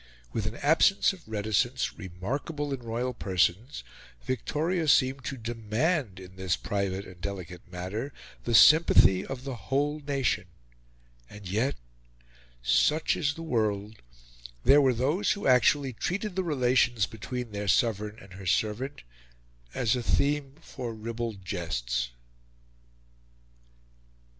With an absence of reticence remarkable in royal persons, Victoria seemed to demand, in this private and delicate matter, the sympathy of the whole nation; and yet such is the world there were those who actually treated the relations between their Sovereign and her servant as a theme for ribald jests.